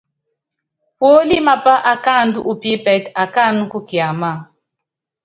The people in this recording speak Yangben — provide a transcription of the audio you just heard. Púólíe mapá akáandú u pípɛ́tɛ́, akáánɛ́ kú kiámáa.